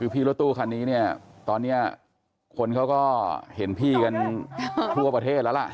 พี่รถตู้คันนี้เนี่ยตอนนี้คนเขาก็เห็นพี่กันทั่วประเทศแล้วล่ะ